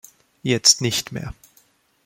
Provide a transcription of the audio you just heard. Jetzt nicht mehr.